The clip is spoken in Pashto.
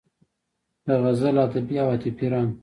د غزل ادبي او عاطفي رنګ